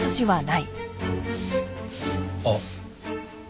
あっ。